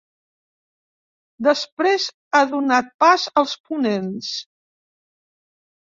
Després ha donat pas als ponents.